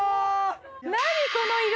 何この色！